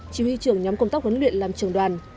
chỉ huy trưởng nhóm công tác huấn luyện làm trường đoàn